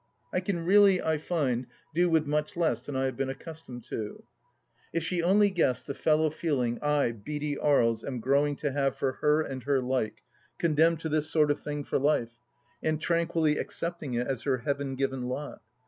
I can really, I find, do with much less than I have been accustomed to. If she only guessed the fellow feeling I, Beaty Aries, am growing to have for her and her like, condemned to this sort of thing for life, and tranquilly accepting it as her heaven given lot.